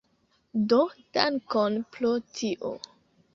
Do dankon pro tio.